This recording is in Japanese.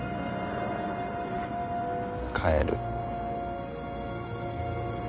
帰る。